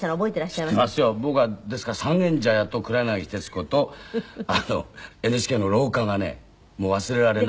僕はですから三軒茶屋と黒柳徹子とＮＨＫの廊下がねもう忘れられないね。